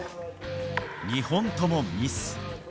２本ともミス。